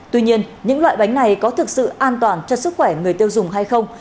tuy nhiên những loại bánh này có thực sự an toàn cho sức khỏe người tiêu dùng hay không